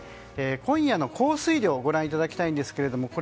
今夜の降水量をご覧いただきたいと思うんですが。